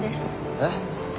えっ？